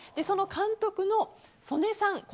その監督の曽根さん